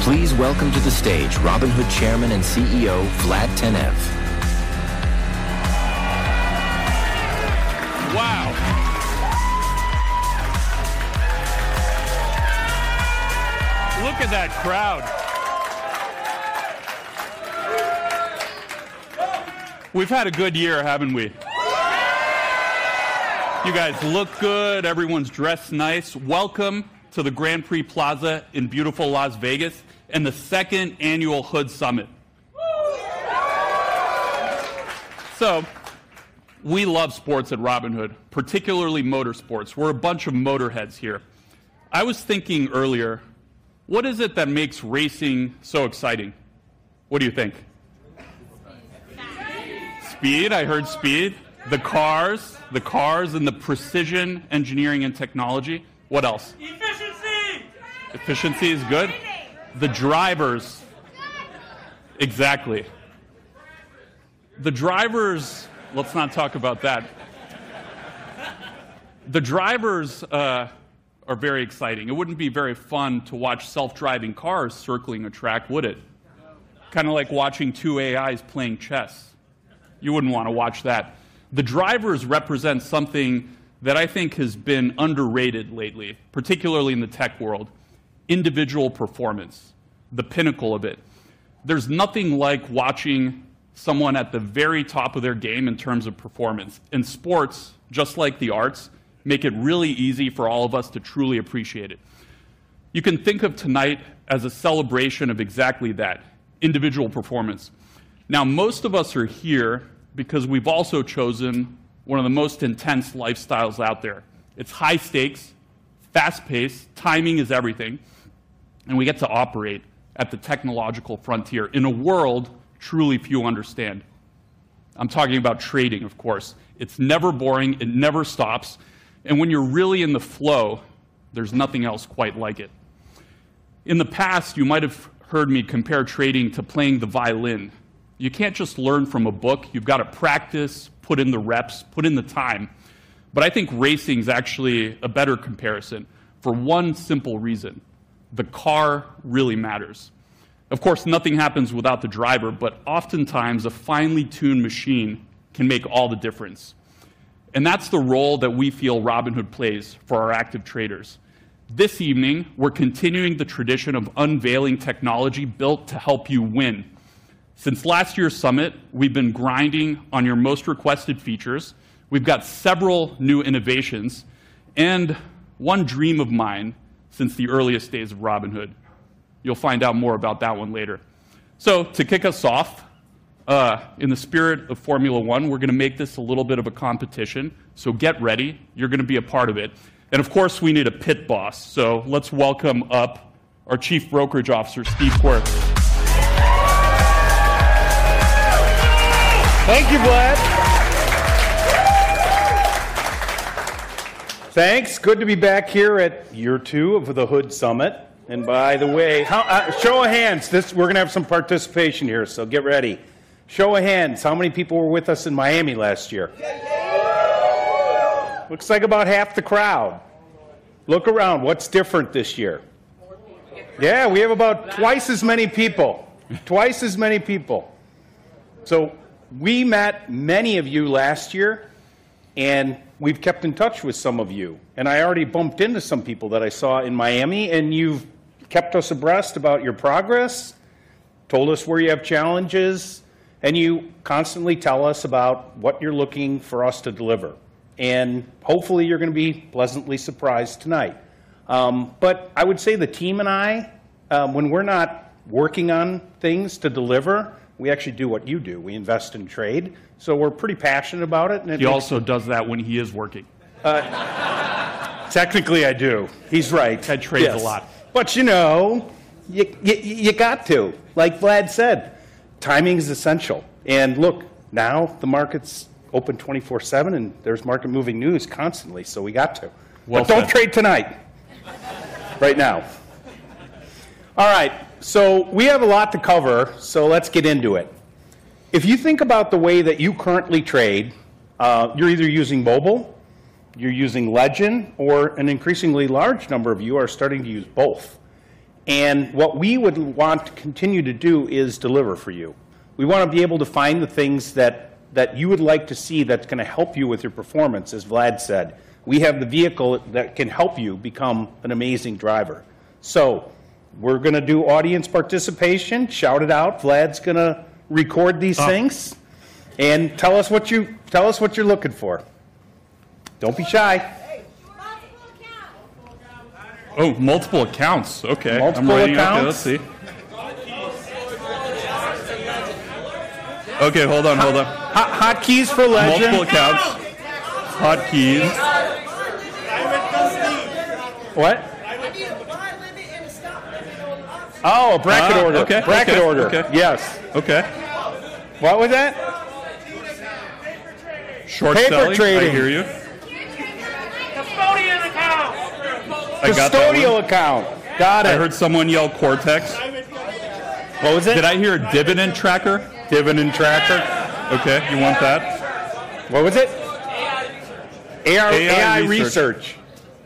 Please welcome to the stage Robinhood Chairman and CEO Vlad Tenev. Look at that crowd! We've had a good year, haven't we? You guys look good, everyone's dressed nice. Welcome to the Grand Prix Plaza in beautiful Las Vegas, and the second annual Hood Summit. We love sports at Robinhood, particularly motorsports. We're a bunch of motorheads here. I was thinking earlier, what is it that makes racing so exciting? What do you think? Speed, I heard speed. The cars, the cars, and the precision engineering and technology. What else? Efficiency. Efficiency is good. The drivers, exactly. The drivers, let's not talk about that. The drivers are very exciting. It wouldn't be very fun to watch self-driving cars circling a track, would it? Kind of like watching two AIs playing chess. You wouldn't want to watch that. The drivers represent something that I think has been underrated lately, particularly in the tech world: individual performance. The pinnacle of it. There's nothing like watching someone at the very top of their game in terms of performance. Sports, just like the arts, make it really easy for all of us to truly appreciate it. You can think of tonight as a celebration of exactly that: individual performance. Now, most of us are here because we've also chosen one of the most intense lifestyles out there. It's high stakes, fast pace, timing is everything, and we get to operate at the technological frontier in a world truly few understand. I'm talking about trading, of course. It's never boring, it never stops, and when you're really in the flow, there's nothing else quite like it. In the past, you might have heard me compare trading to playing the violin. You can't just learn from a book. You've got to practice, put in the reps, put in the time. I think racing is actually a better comparison for one simple reason: the car really matters. Of course, nothing happens without the driver, but oftentimes a finely tuned machine can make all the difference. That's the role that we feel Robinhood plays for our active traders. This evening, we're continuing the tradition of unveiling technology built to help you win. Since last year's summit, we've been grinding on your most requested features. We've got several new innovations and one dream of mine since the earliest days of Robinhood. You'll find out more about that one later. To kick us off, in the spirit of Formula 1, we're going to make this a little bit of a competition. Get ready. You're going to be a part of it. Of course, we need a pit boss. Let's welcome up our Chief Brokerage Officer, Steve Quirk. Thank you, Vlad. Thanks. Good to be back here at year two of the Hood Summit. By the way, show of hands, we're going to have some participation here. Get ready. Show of hands, how many people were with us in Miami last year? Looks like about half the crowd. Look around. What's different this year? We have about twice as many people. Twice as many people. We met many of you last year, and we've kept in touch with some of you. I already bumped into some people that I saw in Miami, and you've kept us abreast about your progress, told us where you have challenges, and you constantly tell us about what you're looking for us to deliver. Hopefully, you're going to be pleasantly surprised tonight. I would say the team and I, when we're not working on things to deliver, we actually do what you do. We invest and trade. We're pretty passionate about it. He also does that when he is working. Technically, I do. He's right. I trade a lot. You know, you got to, like Vlad said, timing is essential. Look, now the market's open 24/7 and there's market moving news constantly. We got to. Don't trade tonight. Right now. We have a lot to cover. Let's get into it. If you think about the way that you currently trade, you're either using mobile, you're using Legend, or an increasingly large number of you are starting to use both. What we would want to continue to do is deliver for you. We want to be able to find the things that you would like to see that's going to help you with your performance. As Vlad said, we have the vehicle that can help you become an amazing driver. We're going to do audience participation. Shout it out. Vlad's going to record these things and tell us what you're looking for. Don't be shy. Multiple accounts. Multiple accounts. Okay. Multiple accounts. Okay. Hold on. Hold on. Hot keys for Legend. Multiple accounts. Hot keys. What? Oh, a bracket order. Okay. Bracket order. Yes. Okay. What was that? Short trade. I hear you. I got the studio account. Got it. I heard someone yell Cortex. What was it? Did I hear a dividend tracker? Dividend tracker. Okay, you want that? What was it? AI research. AI research.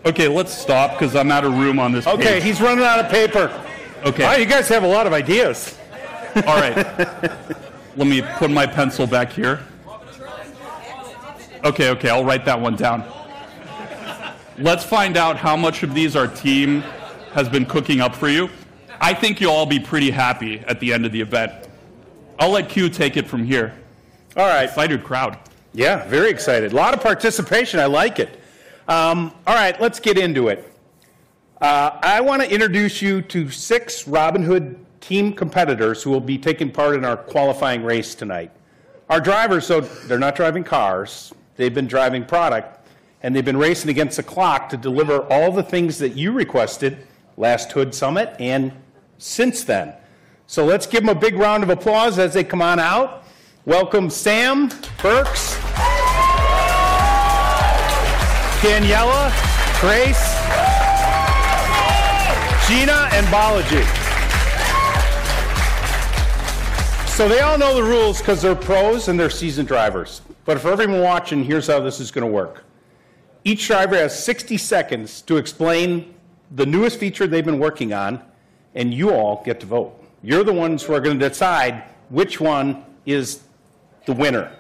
Okay, let's stop because I'm out of room on this thing. Okay, he's running out of paper. Okay. You guys have a lot of ideas. All right. Let me put my pencil back here. Okay. I'll write that one down. Let's find out how much of these our team has been cooking up for you. I think you'll all be pretty happy at the end of the event. I'll let Q take it from here. All right. Excited crowd. Yeah, very excited. A lot of participation. I like it. All right. Let's get into it. I want to introduce you to six Robinhood team competitors who will be taking part in our qualifying race tonight. Our drivers, they're not driving cars. They've been driving product, and they've been racing against the clock to deliver all the things that you requested last Hood Summit and since then. Let's give them a big round of applause as they come on out. Welcome Sam, Burks, Kanyella, Grace, Gina, and Balaji. They all know the rules because they're pros and they're seasoned drivers. For everyone watching, here's how this is going to work. Each driver has 60 seconds to explain the newest feature they've been working on, and you all get to vote. You're the ones who are going to decide which one is the winner.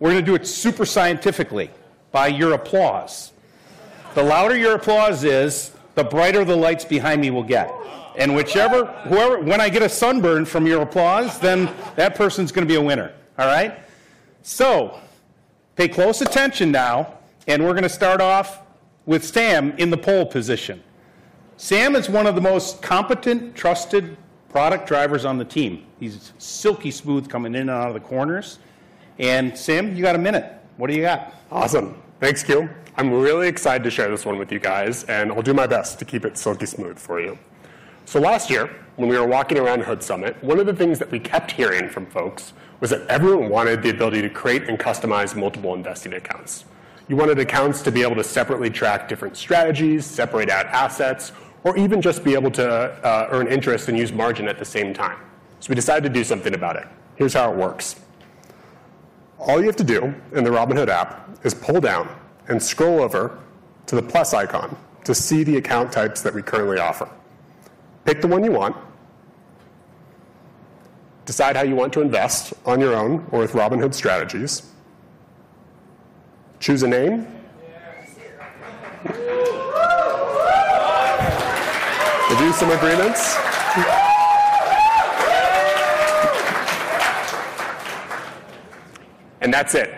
We're going to do it super scientifically by your applause. The louder your applause is, the brighter the lights behind me will get. When I get a sunburn from your applause, that person's going to be a winner. All right. Pay close attention now. We're going to start off with Sam in the pole position. Sam is one of the most competent, trusted product drivers on the team. He's silky smooth coming in and out of the corners. Sam, you got a minute. What do you got? Awesome. Thanks, Q. I'm really excited to share this one with you guys, and I'll do my best to keep it silky smooth for you. Last year, when we were walking around Hood Summit, one of the things that we kept hearing from folks was that everyone wanted the ability to create and customize multiple investing accounts. You wanted accounts to be able to separately track different strategies, separate out assets, or even just be able to earn interest and use margin at the same time. We decided to do something about it. Here's how it works. All you have to do in the Robinhood app is pull down and scroll over to the plus icon to see the account types that we currently offer. Pick the one you want, decide how you want to invest on your own or with Robinhood strategies, choose a name, maybe some agreements, and that's it.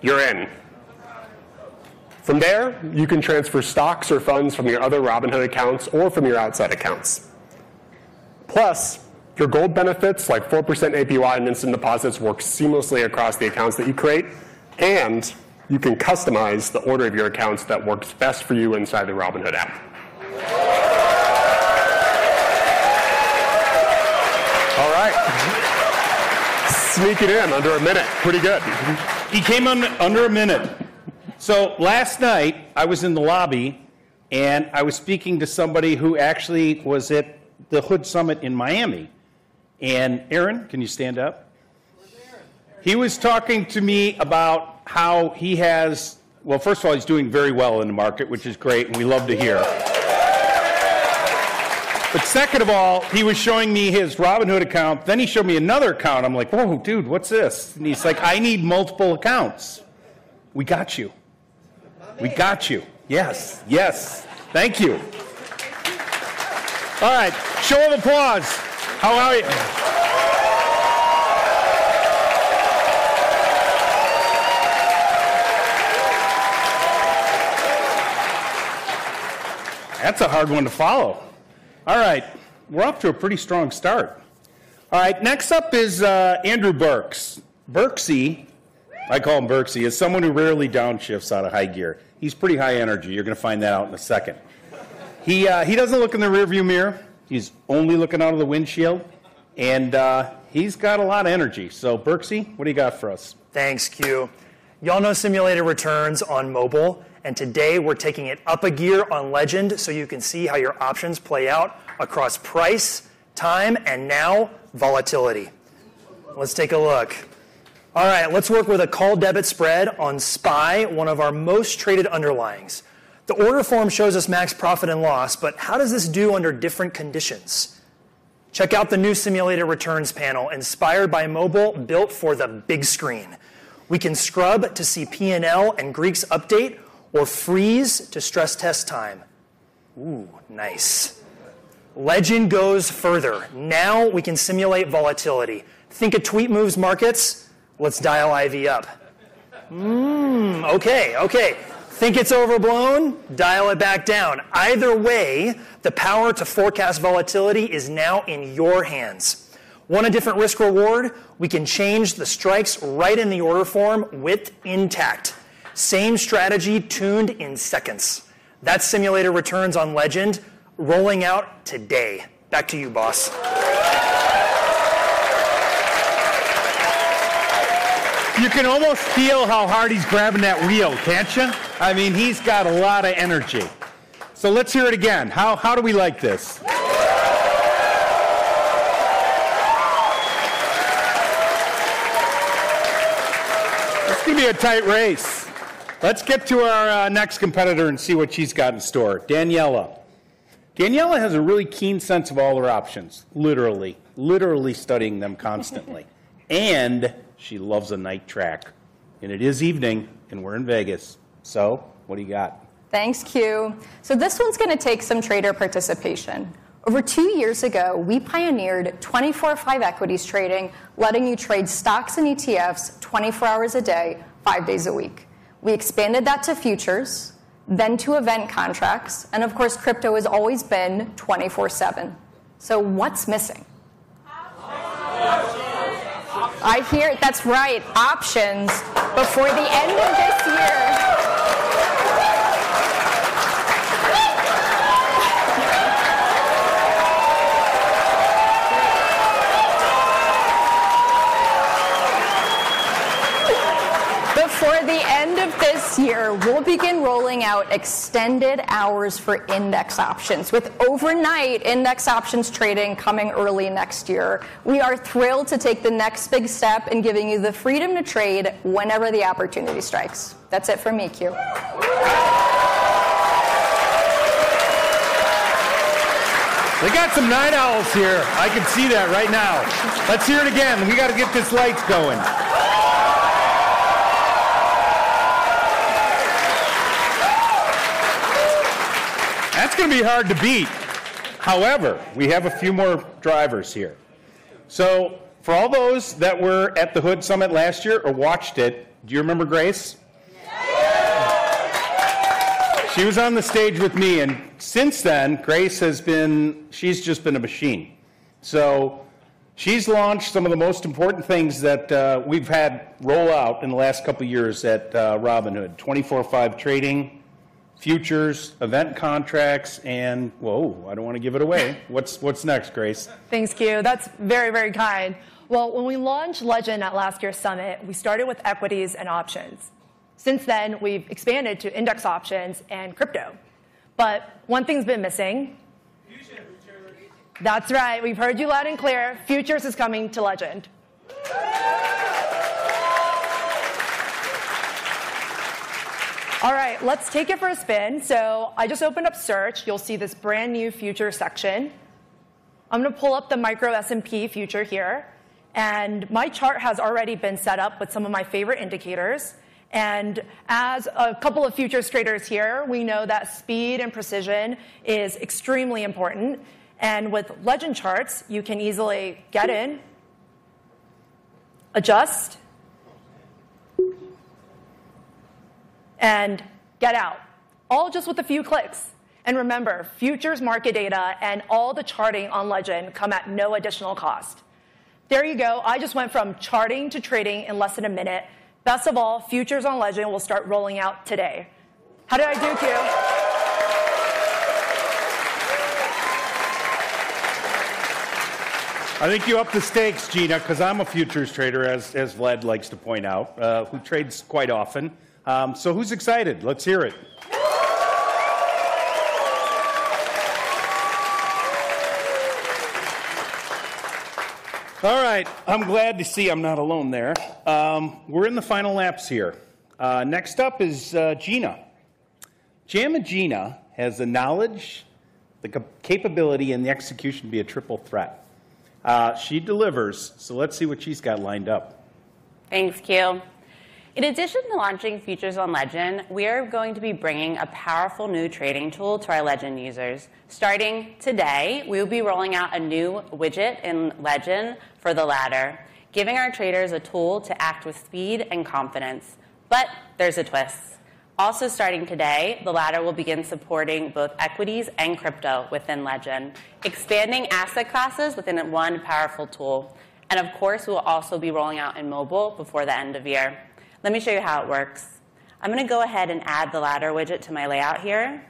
You're in. From there, you can transfer stocks or funds from your other Robinhood accounts or from your outside accounts. Plus, your Gold benefits like 4% APY and instant deposits work seamlessly across the accounts that you create. You can customize the order of your accounts that works best for you inside the Robinhood app. Sneak it in under a minute. Pretty good. He came on under a minute. Last night I was in the lobby and I was speaking to somebody who actually was at the Hood Summit in Miami. Aaron, can you stand up? He was talking to me about how he has, first of all, he's doing very well in the market, which is great, and we love to hear. Second of all, he was showing me his Robinhood account. He showed me another account. I'm like, oh, dude, what's this? He's like, I need multiple accounts. We got you. We got you. Yes. Yes. Thank you. All right. Show of applause. How are you? That's a hard one to follow. We're off to a pretty strong start. Next up is Andrew Burks. Burksy, I call him Burksy, is someone who rarely downshifts out of high gear. He's pretty high energy. You're going to find that out in a second. He doesn't look in the rearview mirror. He's only looking out of the windshield. He's got a lot of energy. Burksy, what do you got for us? Thanks, Q. Y'all know simulated returns on mobile. Today we're taking it up a gear on Legend so you can see how your options play out across price, time, and now volatility. Let's take a look. All right. Let's work with a call debit spread on SPY, one of our most traded underlyings. The order form shows us max profit and loss, but how does this do under different conditions? Check out the new simulated returns panel inspired by mobile, built for the big screen. We can scrub to see P&L and Greeks update or freeze to stress test time. Ooh, nice. Legend goes further. Now we can simulate volatility. Think a tweet moves markets. Let's dial IV up. Okay, okay. Think it's overblown. Dial it back down. Either way, the power to forecast volatility is now in your hands. Want a different risk reward? We can change the strikes right in the order form with intact. Same strategy tuned in seconds. That's simulated returns on Legend rolling out today. Back to you, boss. You can almost feel how hard he's grabbing that wheel, can't you? I mean, he's got a lot of energy. Let's hear it again. How do we like this? This is going to be a tight race. Let's get to our next competitor and see what she's got in store. Daniella has a really keen sense of all her options, literally studying them constantly. She loves a night track. It is evening and we're in Las Vegas. What do you got? Thanks, Q. This one's going to take some trader participation. Over two years ago, we pioneered 24/5 equities trading, letting you trade stocks and ETFs 24 hours a day, five days a week. We expanded that to futures, then to event contracts, and of course, crypto has always been 24/7. What's missing? I hear it. That's right. Options. Before the end of this year, before the end of this year, we'll begin rolling out extended hours for index options, with overnight index options trading coming early next year. We are thrilled to take the next big step in giving you the freedom to trade whenever the opportunity strikes. That's it for me, Q. We got some night owls here. I can see that right now. Let's hear it again. We got to get these lights going. That's going to be hard to beat. However, we have a few more drivers here. For all those that were at the Hood Summit last year or watched it, do you remember Grace? She was on the stage with me, and since then, Grace has been, she's just been a machine. She's launched some of the most important things that we've had roll out in the last couple of years at Robinhood: 24/5 trading, futures, event contracts, and whoa, I don't want to give it away. What's next, Grace? Thank you, Q. That's very, very kind. When we launched Legend at last year's summit, we started with equities and options. Since then, we've expanded to index options and crypto. One thing's been missing. That's right. We've heard you loud and clear. Futures is coming to Legend. All right, let's take it for a spin. I just opened up search. You'll see this brand new futures section. I'm going to pull up the micro S&P future here. My chart has already been set up with some of my favorite indicators. As a couple of futures traders here, we know that speed and precision are extremely important. With Legend charts, you can easily get in, adjust, and get out, all just with a few clicks. Remember, futures market data and all the charting on Legend come at no additional cost. There you go. I just went from charting to trading in less than a minute. Best of all, futures on Legend will start rolling out today. How did I do, Q? I think you upped the stakes, Gina, because I'm a futures trader, as Vlad likes to point out, who trades quite often. Who's excited? Let's hear it. All right. I'm glad to see I'm not alone there. We're in the final laps here. Next up is Gina. Gina has the knowledge, the capability, and the execution to be a triple threat. She delivers. Let's see what she's got lined up. Thanks, Q. In addition to launching features on Legend, we are going to be bringing a powerful new trading tool to our Legend users. Starting today, we'll be rolling out a new widget in Legend for the universal ladder trading widget, giving our traders a tool to act with speed and confidence. There is a twist. Also, starting today, the ladder will begin supporting both equities and crypto trading within Legend, expanding asset classes within one powerful tool. Of course, we'll also be rolling out in mobile before the end of the year. Let me show you how it works. I'm going to go ahead and add the ladder widget to my layout here.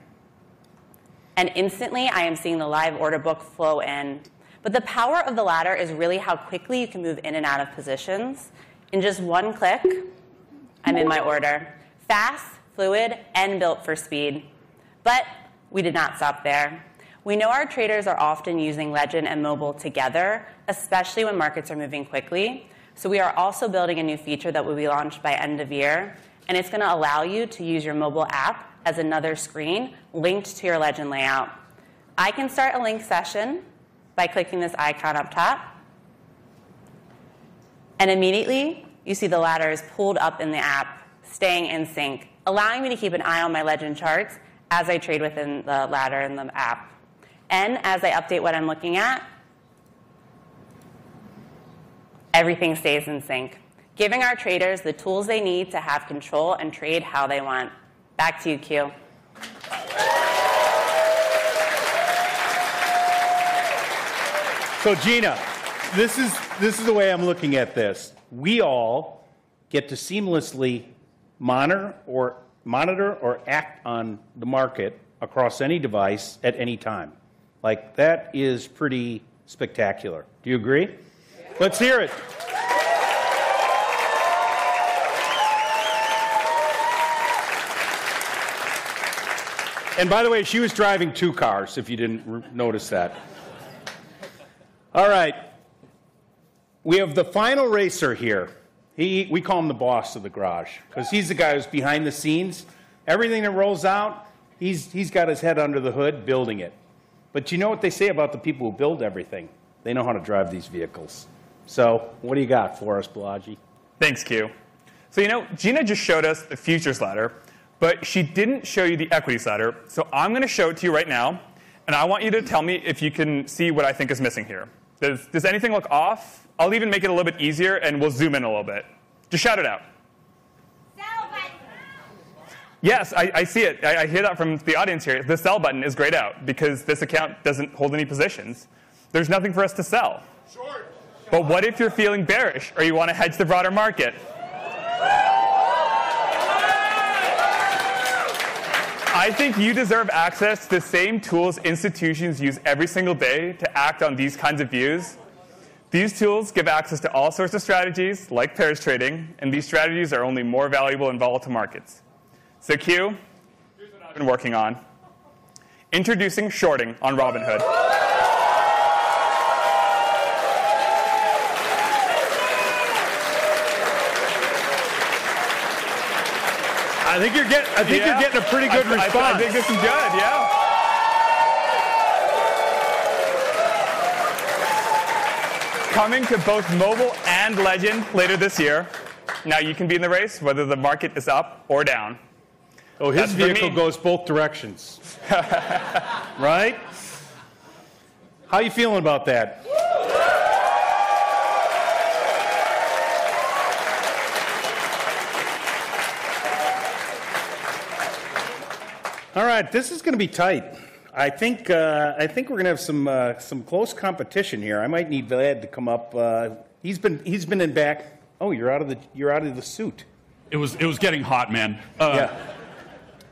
Instantly, I am seeing the live order book flow in. The power of the ladder is really how quickly you can move in and out of positions. In just one click, I'm in my order. Fast, fluid, and built for speed. We did not stop there. We know our traders are often using Legend and mobile together, especially when markets are moving quickly. We are also building a new feature that will be launched by end of year. It is going to allow you to use your mobile app as another screen linked to your Legend layout. I can start a link session by clicking this icon up top. Immediately, you see the ladder is pulled up in the app, staying in sync, allowing me to keep an eye on my Legend charts as I trade within the ladder in the app. As I update what I'm looking at, everything stays in sync, giving our traders the tools they need to have control and trade how they want. Back to you, Q. Gina, this is the way I'm looking at this. We all get to seamlessly monitor or act on the market across any device at any time. That is pretty spectacular. Do you agree? Let's hear it. By the way, she was driving two cars, if you didn't notice that. All right. We have the final racer here. We call him the boss of the garage because he's the guy who's behind the scenes. Everything that rolls out, he's got his head under the hood building it. You know what they say about the people who build everything? They know how to drive these vehicles. What do you got, Balaji? Thanks, Q. You know, Gina just showed us the futures ladder, but she didn't show you the equities ladder. I'm going to show it to you right now. I want you to tell me if you can see what I think is missing here. Does anything look off? I'll even make it a little bit easier and we'll zoom in a little bit. Just shout it out. Yes, I see it. I hear that from the audience here. The sell button is grayed out because this account doesn't hold any positions. There's nothing for us to sell. If you're feeling bearish or you want to hedge the broader market, I think you deserve access to the same tools institutions use every single day to act on these kinds of views. These tools give access to all sorts of strategies, like pair trading, and these strategies are only more valuable in volatile markets. Q, you've been working on introducing shorting on Robinhood. I think you're getting a pretty good response. I think this is good. Yeah, coming to both mobile and Legend later this year. Now you can be in the race whether the market is up or down. Oh, his vehicle goes both directions. Right? How are you feeling about that? All right. This is going to be tight. I think we're going to have some close competition here. I might need Vlad to come up. He's been in back. Oh, you're out of the suit. It was getting hot, man. Yeah,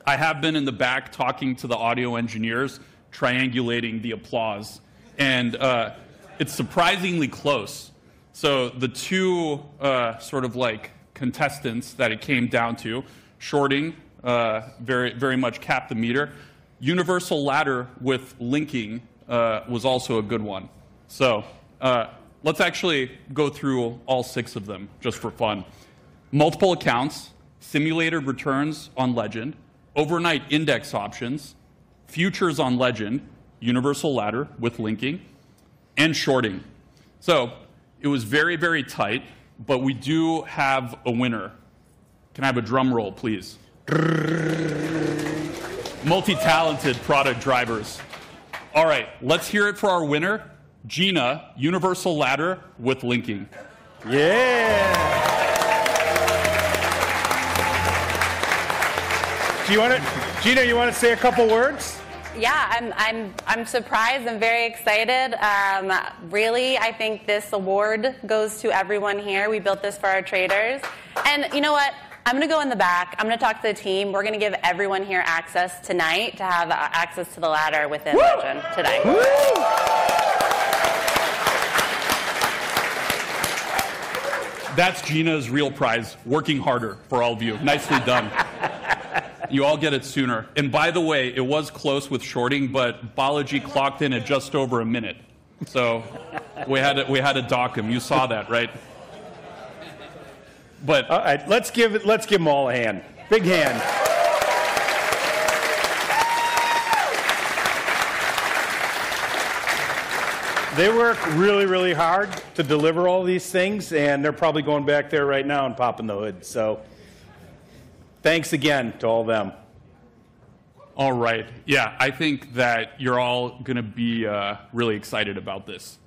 I have been in the back talking to the audio engineers, triangulating the applause. It's surprisingly close. The two sort of contestants that it came down to, shorting very much capped the meter. Universal ladder with linking was also a good one. Let's actually go through all six of them just for fun. Multiple accounts, simulated returns on Legend, overnight index options, futures on Legend, universal ladder with linking, and shorting. It was very, very tight, but we do have a winner. Can I have a drum roll, please? Multitalented product drivers. All right, let's hear it for our winner, Gina, universal ladder with linking. Yeah. Gina, you want to say a couple of words? Yeah, I'm surprised. I'm very excited. I think this award goes to everyone here. We built this for our traders. You know what? I'm going to go in the back, talk to the team, and we're going to give everyone here access tonight to have access to the ladder within Robinhood Legend tonight. That's Gina's real prize, working harder for all of you. Nicely done. You all get it sooner. By the way, it was close with shorting, but Balaji clocked in at just over a minute. We had to dock him. You saw that, right? All right, let's give them all a hand. Big hand. They work really, really hard to deliver all these things, and they're probably going back there right now and popping the hood. Thanks again to all of them. All right. I think that you're all going to be really excited about this.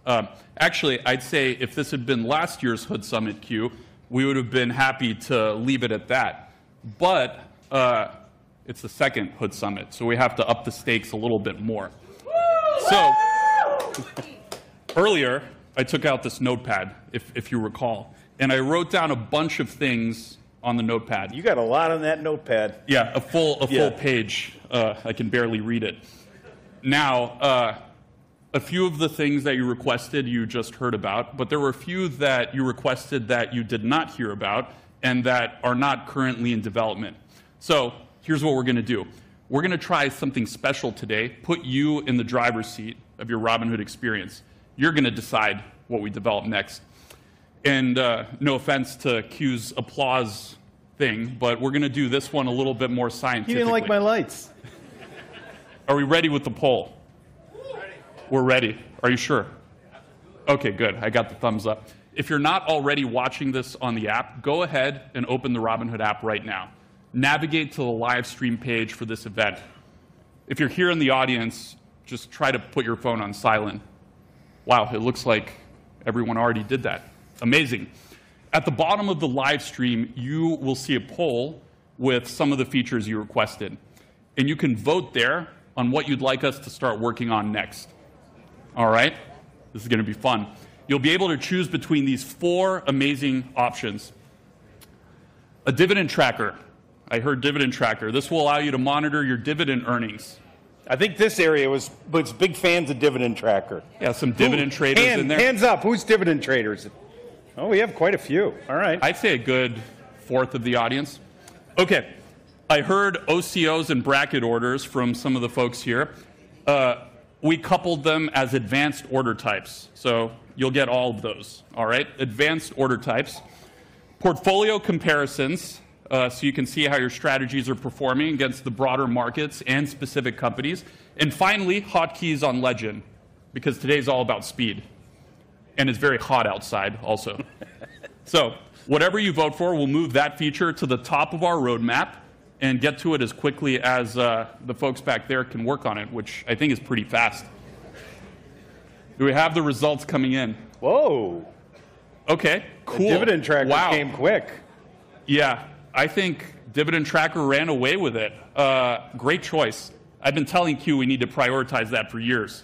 Actually, I'd say if this had been last year's Hood Summit, Q, we would have been happy to leave it at that. It's the second Hood Summit, so we have to up the stakes a little bit more. Earlier, I took out this notepad, if you recall, and I wrote down a bunch of things on the notepad. You got a lot on that notepad. Yeah, a full page. I can barely read it. Now, a few of the things that you requested, you just heard about, but there were a few that you requested that you did not hear about and that are not currently in development. Here's what we're going to do. We're going to try something special today, put you in the driver's seat of your Robinhood experience. You're going to decide what we develop next. No offense to Q's applause thing, but we're going to do this one a little bit more scientific. He didn't like my lights. Are we ready with the poll? We're ready. Are you sure? Okay, good. I got the thumbs up. If you're not already watching this on the app, go ahead and open the Robinhood app right now. Navigate to the livestream page for this event. If you're here in the audience, just try to put your phone on silent. Wow, it looks like everyone already did that. Amazing. At the bottom of the livestream, you will see a poll with some of the features you requested, and you can vote there on what you'd like us to start working on next. All right, this is going to be fun. You'll be able to choose between these four amazing options. A dividend tracker. I heard dividend tracker. This will allow you to monitor your dividend earnings. I think this area was big fans of dividend tracking. Yeah, some dividend traders in there. Hands up, who's dividend traders? Oh, we have quite a few. All right I'd say a good fourth of the audience. Okay. I heard OCOs and bracket orders from some of the folks here. We coupled them as advanced order types. You'll get all of those. All right. Advanced order types, portfolio comparisons so you can see how your strategies are performing against the broader markets and specific companies. Finally, hot keys on Legend because today's all about speed. It's very hot outside also. Whatever you vote for, we'll move that feature to the top of our roadmap and get to it as quickly as the folks back there can work on it, which I think is pretty fast. Do we have the results coming in? Whoa. Okay. Dividend tracking came quick. Yeah, I think dividend tracker ran away with it. Great choice. I've been telling Quirk we need to prioritize that for years.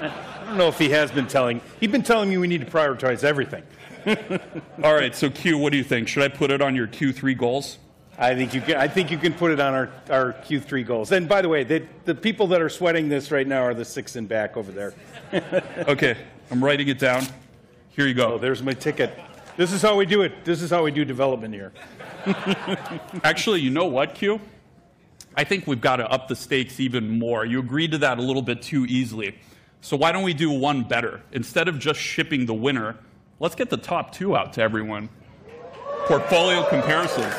I don't know if he has been telling me we need to prioritize everything. All right. Q, what do you think? Should I put it on your Q3 goals? I think you can put it on our Q3 goals. By the way, the people that are sweating this right now are the six in back over there. Okay, I'm writing it down. Here you go. Oh, there's my ticket. This is how we do it. This is how we do development here. Actually, you know what, Q? I think we've got to up the stakes even more. You agreed to that a little bit too easily. Why don't we do one better? Instead of just shipping the winner, let's get the top two out to everyone. Portfolio comparisons.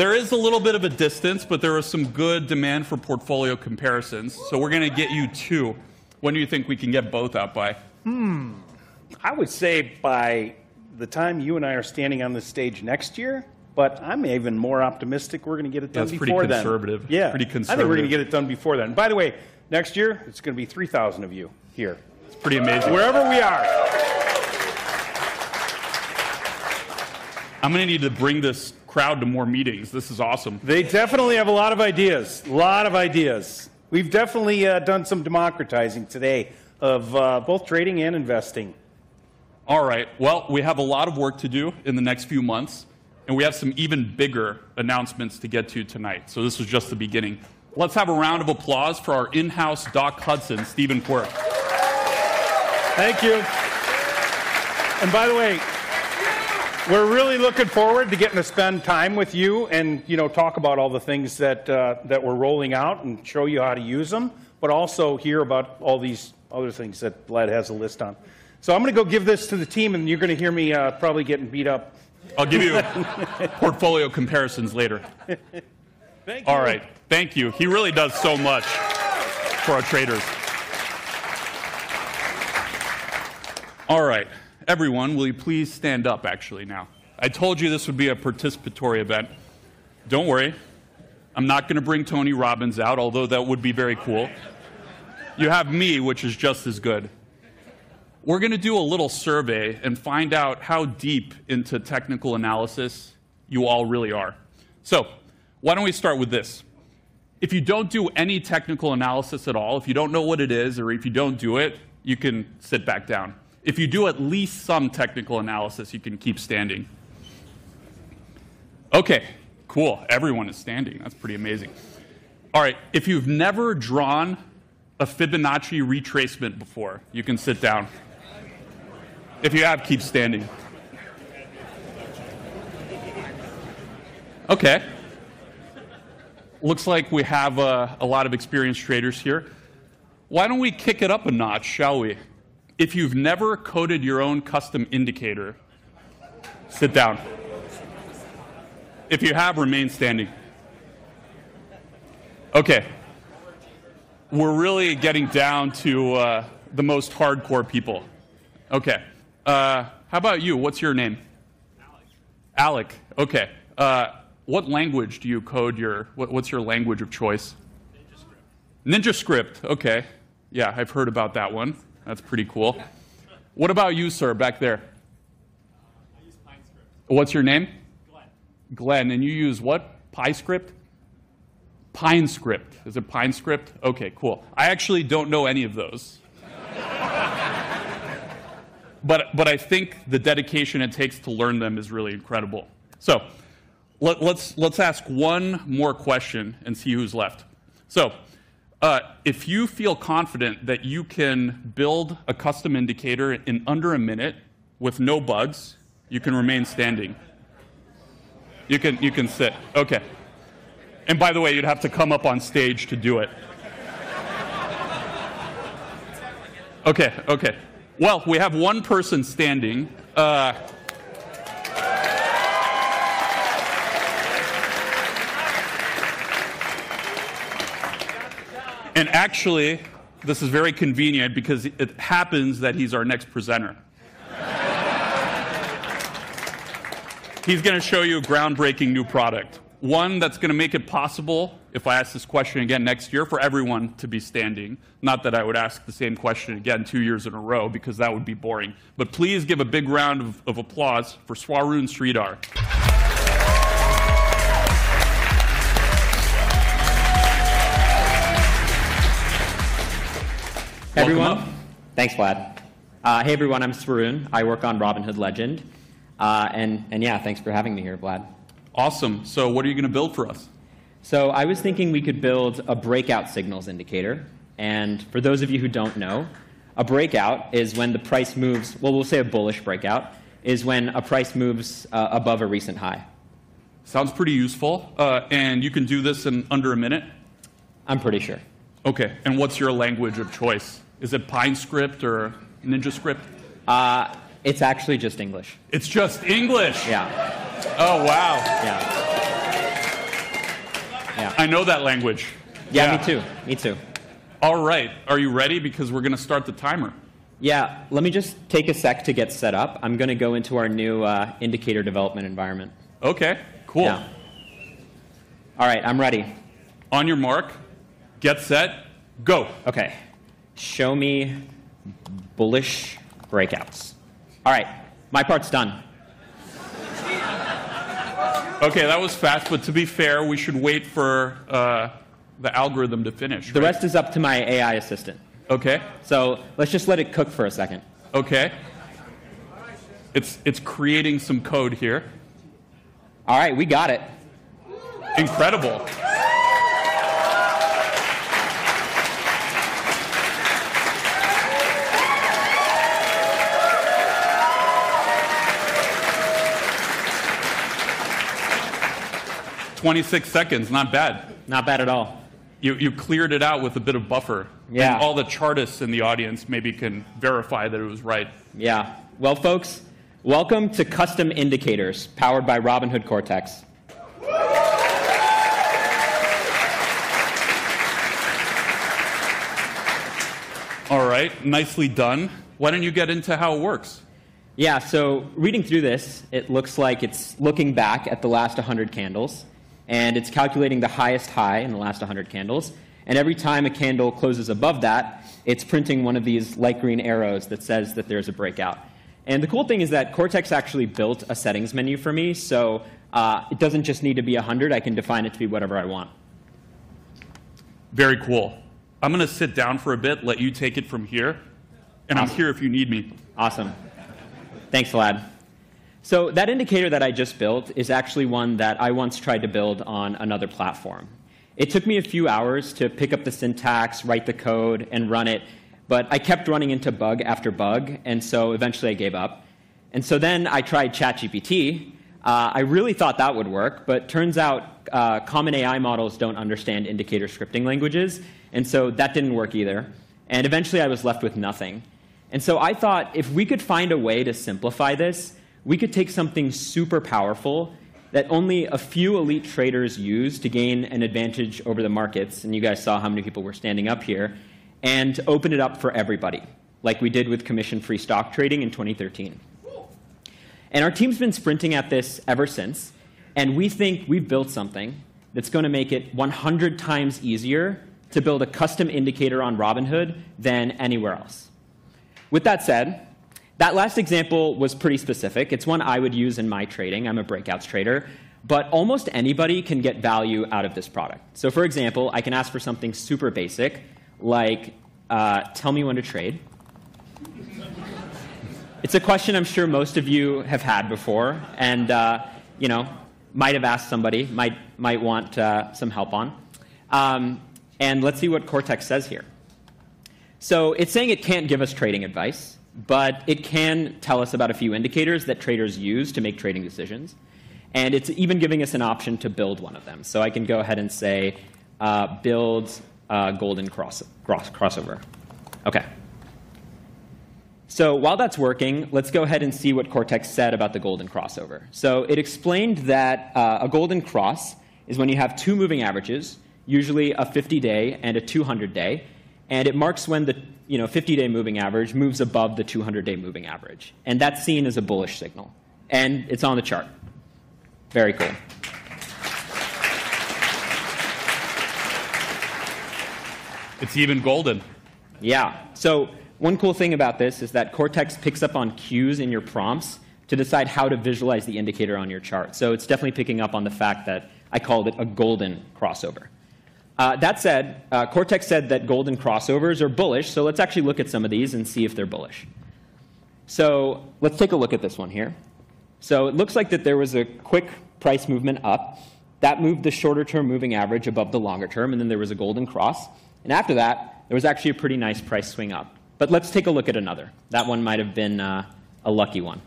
There is a little bit of a distance, but there is some good demand for portfolio comparisons. We're going to get you two. When do you think we can get both out by? I would say by the time you and I are standing on this stage next year, I'm even more optimistic we're going to get it done before then. That's pretty conservative. Yeah. I think we're going to get it done before then. By the way, next year, it's going to be 3,000 of you here. It's pretty amazing. Wherever we are. I'm going to need to bring this crowd to more meetings. This is awesome. They definitely have a lot of ideas, a lot of ideas. We've definitely done some democratizing today of both trading and investing. All right. We have a lot of work to do in the next few months, and we have some even bigger announcements to get to tonight. This is just the beginning. Let's have a round of applause for our in-house Doc Hudson, Steve Quirk. Thank you. By the way, we're really looking forward to getting to spend time with you and talk about all the things that we're rolling out and show you how to use them, but also hear about all these other things that Vlad has a list on. I'm going to go give this to the team, and you're going to hear me probably getting beat up. I'll give you portfolio comparison tools later. Thank you. All right. Thank you. He really does so much for our traders. All right. Everyone, will you please stand up, actually, now? I told you this would be a participatory event. Don't worry. I'm not going to bring Tony Robbins out, although that would be very cool. You have me, which is just as good. We're going to do a little survey and find out how deep into technical analysis you all really are. Why don't we start with this? If you don't do any technical analysis at all, if you don't know what it is, or if you don't do it, you can sit back down. If you do at least some technical analysis, you can keep standing. Okay, cool. Everyone is standing. That's pretty amazing. If you've never drawn a Fibonacci retracement before, you can sit down. If you have, keep standing. Okay. Looks like we have a lot of experienced traders here. Why don't we kick it up a notch, shall we? If you've never coded your own custom indicator, sit down. If you have, remain standing. We're really getting down to the most hardcore people. How about you? What's your name? Alex. Okay. What language do you code your, what's your language of choice? Ninja Script. Ninja Script. Okay. Yeah, I've heard about that one. That's pretty cool. What about you, sir, back there? What's your name? Glenn. Glenn. You use what? Pine Script? Is it Pine Script? Okay, cool. I actually don't know any of those. I think the dedication it takes to learn them is really incredible. Let's ask one more question and see who's left. If you feel confident that you can build a custom indicator in under a minute with no bugs, you can remain standing. You can sit. By the way, you'd have to come up on stage to do it. Okay. We have one person standing. This is very convenient because it happens that he's our next presenter. He's going to show you a groundbreaking new product. One that's going to make it possible, if I ask this question again next year, for everyone to be standing. Not that I would ask the same question again two years in a row because that would be boring. Please give a big round of applause for Swaroon Sridhar. Hey everyone. Thanks, Vlad. Hey everyone, I'm Swaroon. I work on Robinhood Legend. Thanks for having me here, Vlad. Awesome. What are you going to build for us? I was thinking we could build a breakout signals indicator. For those of you who don't know, a breakout is when the price moves, we'll say a bullish breakout, is when a price moves above a recent high. Sounds pretty useful. You can do this in under a minute? I'm pretty sure. Okay. What's your language of choice? Is it Pine Script or NinjaScript? It's actually just English. It's just English? Yeah. Oh, wow. Yeah. I know that language. Yeah, me too. Me too. All right. Are you ready? Because we're going to start the timer. Let me just take a sec to get set up. I'm going to go into our new indicator development environment. Okay, cool. All right, I'm ready. On your mark, get set, go. Okay. Show me bullish breakouts. All right, my part's done. Okay, that was fast, but to be fair, we should wait for the algorithm to finish. The rest is up to my AI assistant. Okay. Let's just let it cook for a second. Okay, it's creating some code here. All right, we got it. Incredible. 26 seconds, not bad. Not bad at all. You cleared it out with a bit of buffer. Yeah. All the chartists in the audience maybe can verify that it was right. Yeah. Folks, welcome to custom indicators powered by Robinhood Cortex. All right, nicely done. Why don't you get into how it works? Yeah, reading through this, it looks like it's looking back at the last 100 candles, and it's calculating the highest high in the last 100 candles. Every time a candle closes above that, it's printing one of these light green arrows that says that there's a breakout. The cool thing is that Cortex actually built a settings menu for me, so it doesn't just need to be 100. I can define it to be whatever I want. Very cool. I'm going to sit down for a bit, let you take it from here, and I'm here if you need me. Awesome. Thanks, Vlad. That indicator that I just built is actually one that I once tried to build on another platform. It took me a few hours to pick up the syntax, write the code, and run it, but I kept running into bug after bug, so eventually I gave up. I tried ChatGPT. I really thought that would work, but it turns out common AI models don't understand indicator scripting languages, so that didn't work either. Eventually I was left with nothing. I thought if we could find a way to simplify this, we could take something super powerful that only a few elite traders use to gain an advantage over the markets, and you guys saw how many people were standing up here, and open it up for everybody, like we did with commission-free stock trading in 2013. Our team's been sprinting at this ever since, and we think we've built something that's going to make it 100 times easier to build a custom indicator on Robinhood than anywhere else. That last example was pretty specific. It's one I would use in my trading. I'm a breakouts trader, but almost anybody can get value out of this product. For example, I can ask for something super basic, like, tell me when to trade. It's a question I'm sure most of you have had before and, you know, might have asked somebody, might want some help on. Let's see what Cortex says here. It's saying it can't give us trading advice, but it can tell us about a few indicators that traders use to make trading decisions. It's even giving us an option to build one of them. I can go ahead and say, build a golden crossover. While that's working, let's go ahead and see what Cortex said about the golden crossover. It explained that a golden cross is when you have two moving averages, usually a 50-day and a 200-day, and it marks when the 50-day moving average moves above the 200-day moving average. That's seen as a bullish signal. It's on the chart. Very cool. It's even golden. Yeah. One cool thing about this is that Cortex picks up on cues in your prompts to decide how to visualize the indicator on your chart. It's definitely picking up on the fact that I called it a golden crossover. That said, Cortex said that golden crossovers are bullish. Let's actually look at some of these and see if they're bullish. Let's take a look at this one here. It looks like there was a quick price movement up that moved the shorter-term moving average above the longer term, and then there was a golden cross. After that, there was actually a pretty nice price swing up. Let's take a look at another. That one might have been a lucky one.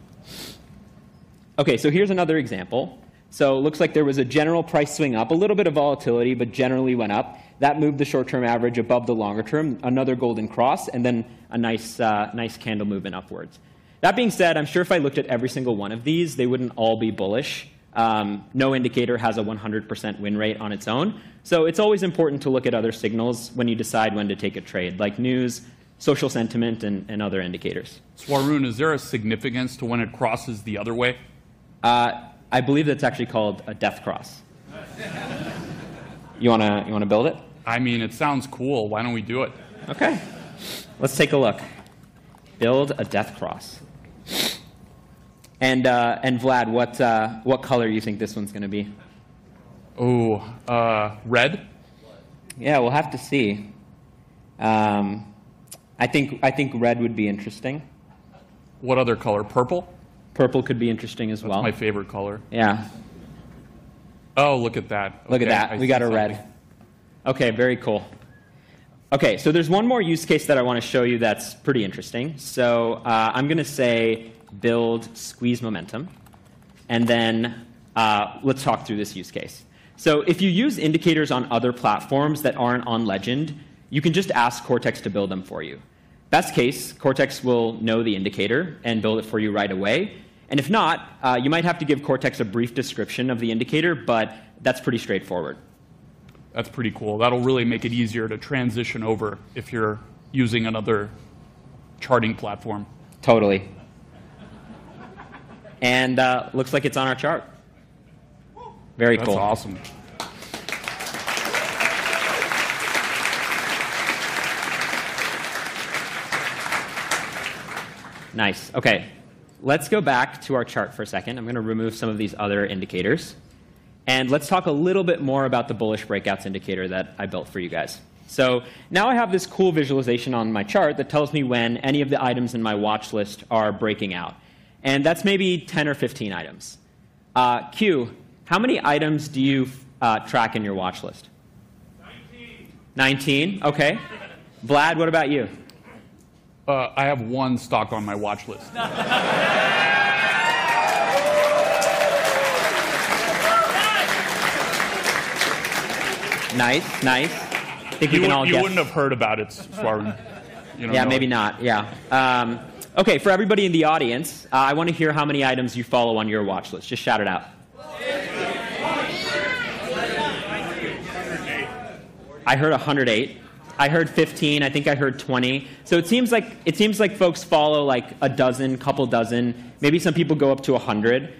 Here's another example. It looks like there was a general price swing up, a little bit of volatility, but generally went up. That moved the short-term average above the longer term, another golden cross, and then a nice candle movement upwards. That being said, I'm sure if I looked at every single one of these, they wouldn't all be bullish. No indicator has a 100% win rate on its own. It's always important to look at other signals when you decide when to take a trade, like news, social sentiment, and other indicators. Swaroon, is there a significance to when it crosses the other way? I believe that's actually called a death cross. You want to build it? I mean, it sounds cool. Why don't we do it? Okay. Let's take a look. Build a death cross. Vlad, what color do you think this one's going to be? Oh, red? Yeah, we'll have to see. I think red would be interesting. What other color? Purple? Purple could be interesting as well. That's my favorite color. Yeah. Oh, look at that. Look at that. We got a red. Okay, very cool. There is one more use case that I want to show you that's pretty interesting. I'm going to say build squeeze momentum. Let's talk through this use case. If you use indicators on other platforms that aren't on Legend, you can just ask Cortex to build them for you. Best case, Cortex will know the indicator and build it for you right away. If not, you might have to give Cortex a brief description of the indicator, but that's pretty straightforward. That's pretty cool. That'll really make it easier to transition over if you're using another charting platform. Totally. It looks like it's on our chart. Very cool. That's awesome. Nice. Okay, let's go back to our chart for a second. I'm going to remove some of these other indicators. Let's talk a little bit more about the bullish breakouts indicator that I built for you guys. Now I have this cool visualization on my chart that tells me when any of the items in my watchlist are breaking out. That's maybe 10 or 15 items. Q, how many items do you track in your watchlist? 19? Okay. Vlad, what about you? I have one stock on my watchlist. Nice, nice. I think you wouldn't have heard about it, Swaroon. Yeah, maybe not. Okay, for everybody in the audience, I want to hear how many items you follow on your watchlist. Just shout it out. I heard 108. I heard 15. I think I heard 20. It seems like folks follow like a dozen, a couple dozen. Maybe some people go up to 100,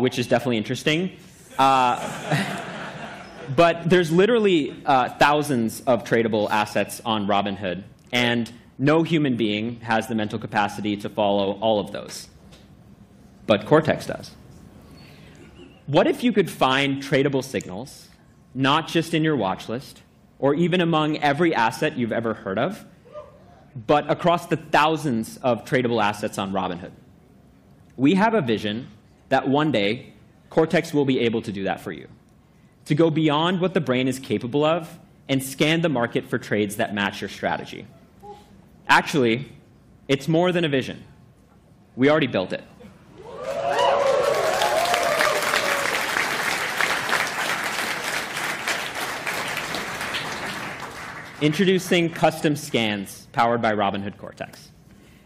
which is definitely interesting. There's literally thousands of tradable assets on Robinhood. No human being has the mental capacity to follow all of those. Cortex does. What if you could find tradable signals, not just in your watchlist, or even among every asset you've ever heard of, but across the thousands of tradable assets on Robinhood? We have a vision that one day Cortex will be able to do that for you, to go beyond what the brain is capable of and scan the market for trades that match your strategy. Actually, it's more than a vision. We already built it. Introducing custom scans powered by Robinhood Cortex.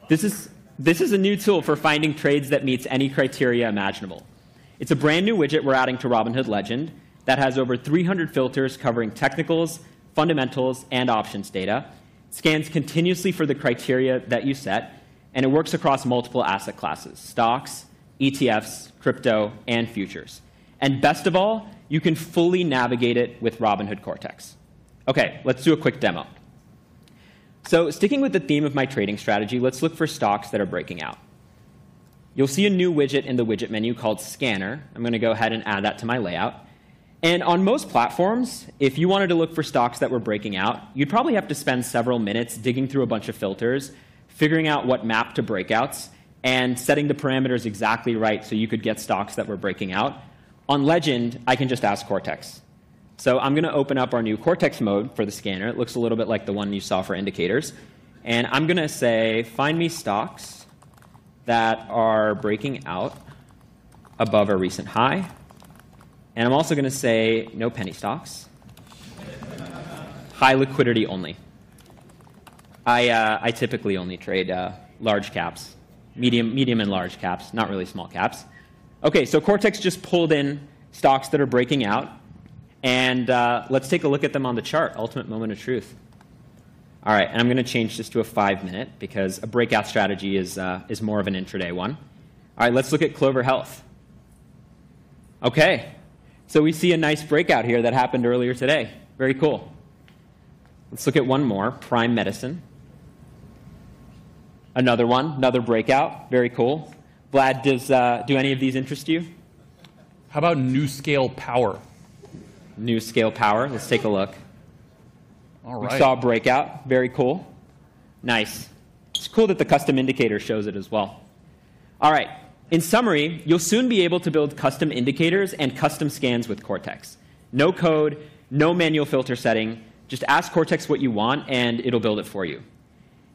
This is a new tool for finding trades that meet any criteria imaginable. It's a brand new widget we're adding to Robinhood Legend that has over 300 filters covering technicals, fundamentals, and options data. Scans continuously for the criteria that you set, and it works across multiple asset classes: stocks, ETFs, crypto, and futures. Best of all, you can fully navigate it with Robinhood Cortex. Okay, let's do a quick demo. Sticking with the theme of my trading strategy, let's look for stocks that are breaking out. You'll see a new widget in the widget menu called Scanner. I'm going to go ahead and add that to my layout. On most platforms, if you wanted to look for stocks that were breaking out, you'd probably have to spend several minutes digging through a bunch of filters, figuring out what map to breakouts, and setting the parameters exactly right so you could get stocks that were breaking out. On Legend, I can just ask Cortex. I'm going to open up our new Cortex mode for the scanner. It looks a little bit like the one you saw for indicators. I'm going to say, find me stocks that are breaking out above a recent high. I'm also going to say, no penny stocks. High liquidity only. I typically only trade large caps, medium and large caps, not really small caps. Cortex just pulled in stocks that are breaking out. Let's take a look at them on the chart, ultimate moment of truth. I'm going to change this to a five-minute because a breakout strategy is more of an intraday one. Let's look at Clover Health. We see a nice breakout here that happened earlier today. Very cool. Let's look at one more, Prime Medicine. Another one, another breakout. Very cool. Vlad, does any of these interest you? How about NewScale Power? NewScale Power? let's take a look. All right. We saw a breakout. Very cool. Nice. It's cool that the custom indicator shows it as well. In summary, you'll soon be able to build custom indicators and custom scans with Robinhood Cortex. No code, no manual filter setting. Just ask Cortex what you want, and it'll build it for you.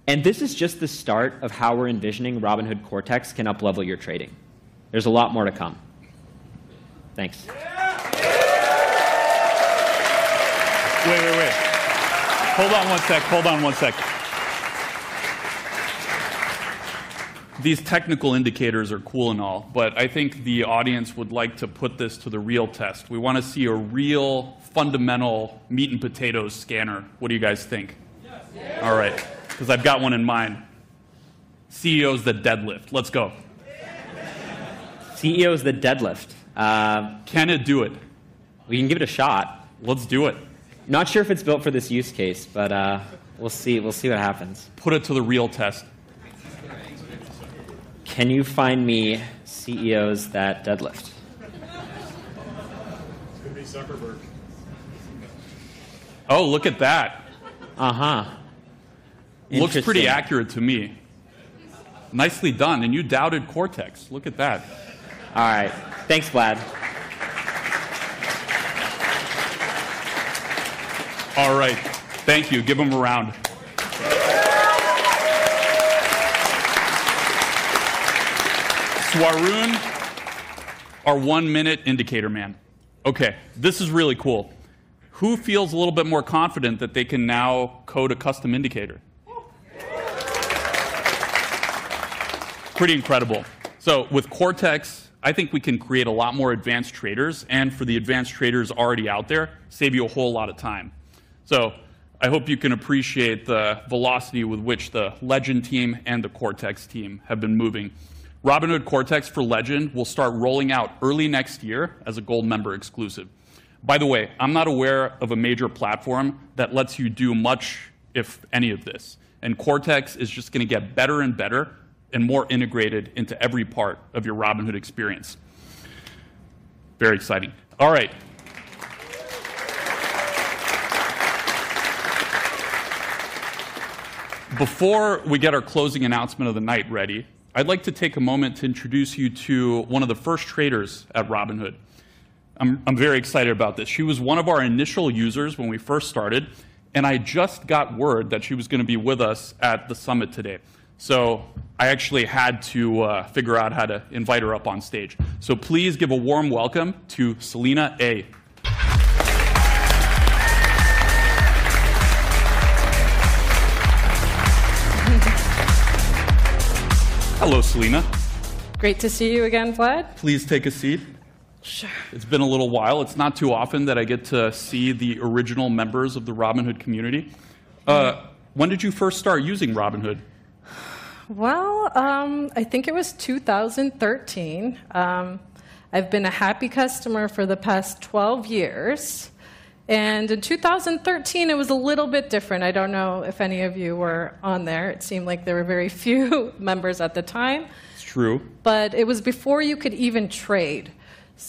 This is just the start of how we're envisioning Robinhood Cortex can uplevel your trading. There's a lot more to come. Thanks. Wait, wait, wait. Hold on one sec. These technical indicators are cool and all, but I think the audience would like to put this to the real test. We want to see a real fundamental meat and potatoes scanner. What do you guys think? All right, because I've got one in mind. CEOs that deadlift. Let's go. CEOs that deadlift. Can it do it? We can give it a shot. Let's do it. Not sure if it's built for this use case, but we'll see what happens. Put it to the real test. Can you find me CEOs that deadlift? Oh, look at that. Uh-huh. Looks pretty accurate to me. Nicely done. You doubted Robinhood Cortex. Look at that. All right. Thanks, Vlad. All right. Thank you. Give them a round. Swaroon, our one-minute indicator man. Okay, this is really cool. Who feels a little bit more confident that they can now code a custom indicator? Pretty incredible. With Cortex, I think we can create a lot more advanced traders. For the advanced traders already out there, save you a whole lot of time. I hope you can appreciate the velocity with which the Legend team and the Cortex team have been moving. Robinhood Cortex for Legend will start rolling out early next year as a Gold member exclusive. By the way, I'm not aware of a major platform that lets you do much, if any, of this. Cortex is just going to get better and better and more integrated into every part of your Robinhood experience. Very exciting. Before we get our closing announcement of the night ready, I'd like to take a moment to introduce you to one of the first traders at Robinhood. I'm very excited about this. She was one of our initial users when we first started, and I just got word that she was going to be with us at the summit today. I actually had to figure out how to invite her up on stage. Please give a warm welcome to Selena A. Hello, Selena. Great to see you again, Vlad. Please take a seat. Sure. It's been a little while. It's not too often that I get to see the original members of the Robinhood community. When did you first start using Robinhood? I think it was 2013. I've been a happy customer for the past 12 years. In 2013, it was a little bit different. I don't know if any of you were on there. It seemed like there were very few members at the time. It's true. It was before you could even trade.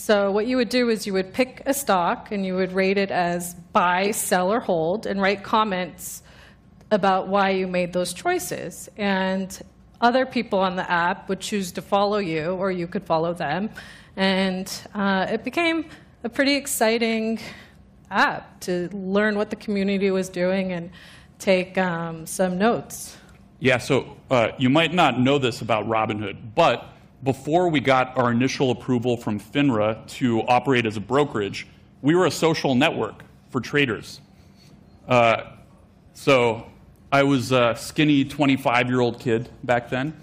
You would pick a stock and rate it as buy, sell, or hold, and write comments about why you made those choices. Other people on the app would choose to follow you or you could follow them. It became a pretty exciting app to learn what the community was doing and take some notes. Yeah, you might not know this about Robinhood, but before we got our initial approval from FINRA to operate as a brokerage, we were a social network for traders. I was a skinny 25-year-old kid back then.